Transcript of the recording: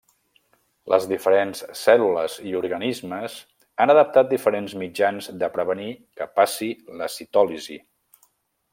Les diferents cèl·lules i organismes han adaptat diferents mitjans de prevenir que passi la citòlisi.